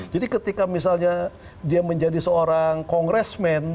jadi ketika misalnya dia menjadi seorang kongresmen